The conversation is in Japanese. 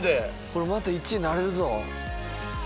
また１位になれるぞ。